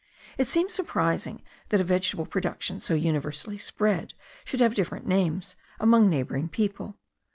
It seems surprising that a vegetable production so universally spread should have different names among neighbouring people.